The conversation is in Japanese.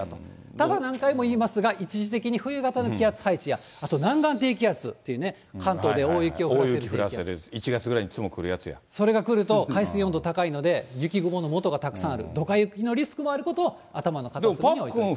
ただ何回も言いますけど、一時的に冬型の気圧配置や、南岸低気圧っていうね、大雪降らせる、１月くらいにそれが来ると海水温度高いので、雪雲のもとがたくさん作られる、ドカ雪のリスクもあることを頭の片隅に置いておいてください。